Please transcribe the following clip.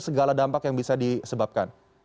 segala dampak yang bisa disebabkan